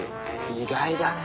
意外だね。